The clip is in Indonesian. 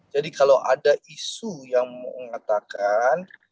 jadi kalau ada isu yang mengatakan